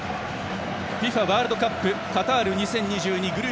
ワールドカップカタール２０２２